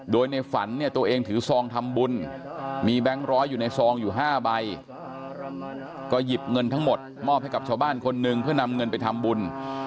โดยในฝันเนี่ยตัวเองถือซองทำบุญมีแบงค์ร้อยอยู่ในซองอยู่๕ใบก็หยิบเงินทั้งหมดมอบให้กับชาวบ้านคนหนึ่งเพื่อนำเงินไปทำบุญ